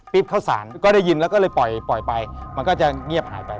เข้าสารก็ได้ยินแล้วก็เลยปล่อยไปมันก็จะเงียบหายไป